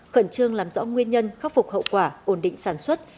khẩn trương làm rõ nguyên nhân khắc phục hậu quả ổn định sản xuất